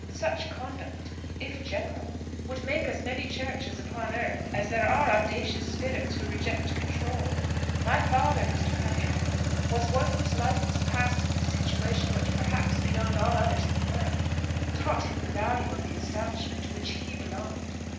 Such conduct, if general, would make as many churches upon earth as there are audacious spirits who reject control. My father, Mr. Cartwright, was one whose life was passed in the situation which, perhaps, beyond all others in the world, taught him the value of the establishment to which he belonged.